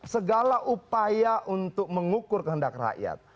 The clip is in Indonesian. segala upaya untuk mengukur kehendak rakyat